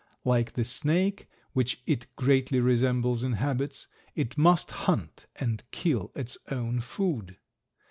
Like the snake, which it greatly resembles in habits, it must hunt and kill its own food.